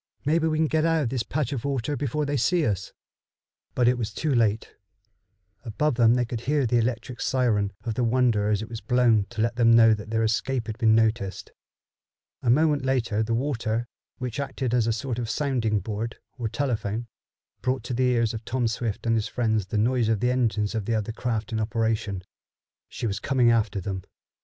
Maybe we can get out of this patch of water before they see us." But it was too late. Above them they could hear the electric siren of the Wonder as it was blown to let them know that their escape had been noticed. A moment later the water, which acted as a sort of sounding board, or telephone, brought to the ears of Tom Swift and his friends the noise of the engines of the other craft in operation. She was coming after them.